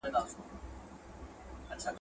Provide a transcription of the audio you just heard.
خلګو وویل چي موږ ازادي غواړو.